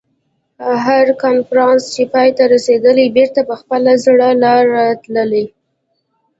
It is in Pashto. هر کنفرانس چې پای ته رسېدلی بېرته په خپله زړه لاره تللي.